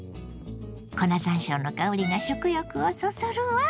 粉ざんしょうの香りが食欲をそそるわ。